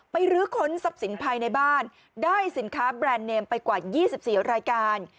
รื้อค้นทรัพย์สินภายในบ้านได้สินค้าแบรนด์เนมไปกว่า๒๔รายการ